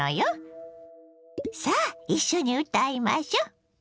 さあ一緒に歌いましょ。